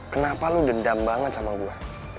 kenapa lo dendam banget sama gue